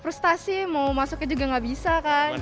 frustasi mau masuknya juga nggak bisa kan